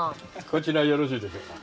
こちらよろしいでしょうか？